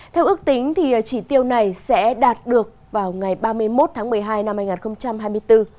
theo ước tính chỉ tiêu này sẽ đạt được vào ngày ba mươi một tháng một mươi hai năm hai nghìn hai mươi bốn